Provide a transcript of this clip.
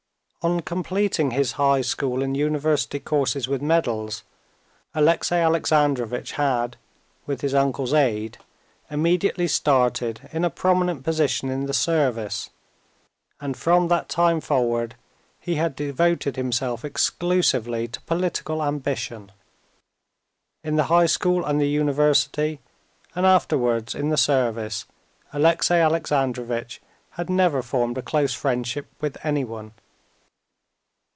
On completing his high school and university courses with medals, Alexey Alexandrovitch had, with his uncle's aid, immediately started in a prominent position in the service, and from that time forward he had devoted himself exclusively to political ambition. In the high school and the university, and afterwards in the service, Alexey Alexandrovitch had never formed a close friendship with anyone.